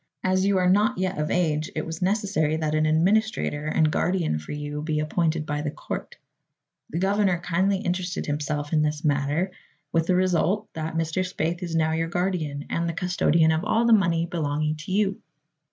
As you are not yet of age, it was necessary that an administrator and guardian for you be appointed by the court. The governor kindly interested himself in this matter, with the result that Mr. Spaythe is now your guardian and the custodian of all the money belonging to you."